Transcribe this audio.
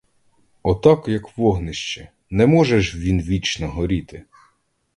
Отак, як вогнище: не може ж він вічно горіти?!